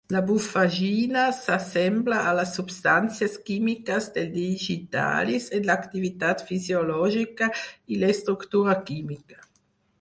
La bufagina s'assembla a les substàncies químiques del digitalis en l'activitat fisiològica i l'estructura química.